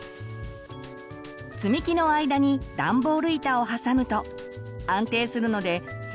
つみきの間にダンボール板を挟むと安定するのでつ